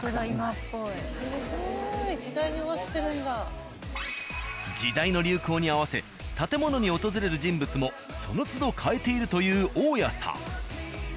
すごい。時代の流行に合わせ建物に訪れる人物もそのつど変えているという大谷さん。